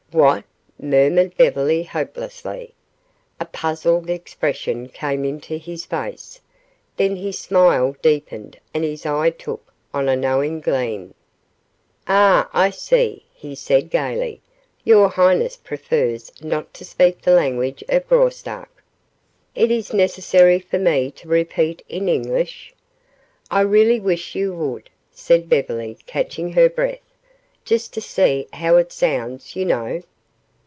"What?" murmured Beverly, hopelessly. A puzzled expression came into his face. Then his smile deepened and his eye took on a knowing gleam. "Ah, I see," he said, gaily, "your highness prefers not to speak the language of Graustark. Is it necessary for me to repeat in English?" "I really wish you would," said Beverly, catching her breath. "Just to see how it sounds, you know."